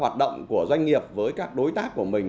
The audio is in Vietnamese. hoạt động của doanh nghiệp với các đối tác của mình